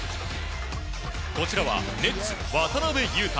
こちらはネッツ、渡邊雄太。